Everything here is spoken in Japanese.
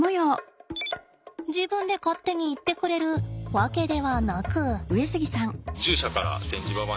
自分で勝手に行ってくれるわけではなく。